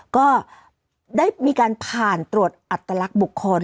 ก็ได้มีการผ่านตรวจอัตลักษณ์บุคคล